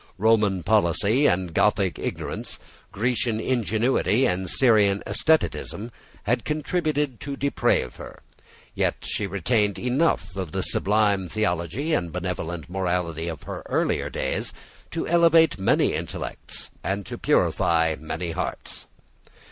Roman policy and Gothic ignorance, Grecian ingenuity and Syrian asceticism, had contributed to deprave her. Yet she retained enough of the sublime theology and benevolent morality of her earlier days to elevate many intellects, and to purify many hearts.